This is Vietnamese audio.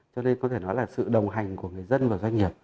cho nên có thể nói là sự đồng hành của người dân và doanh nghiệp